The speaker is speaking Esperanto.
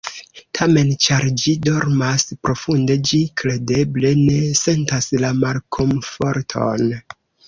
Tamen, ĉar ĝi dormas profunde, ĝi kredeble ne sentas la malkomforton.